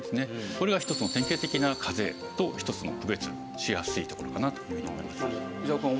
これが一つの典型的なかぜと一つの区別しやすいところかなというふうに思います。